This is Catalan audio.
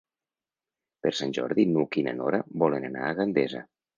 Per Sant Jordi n'Hug i na Nora volen anar a Gandesa.